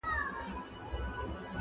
پداسي حال کي چي الله تعالی فرمايلي دي.